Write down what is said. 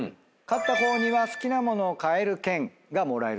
勝った方には好きなものを買える券がもらえるそうです。